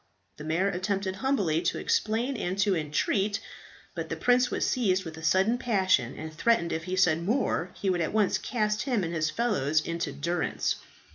The mayor attempted humbly to explain and to entreat; but the prince was seized with a sudden passion, and threatened if he said more he would at once cast him and his fellows into durance.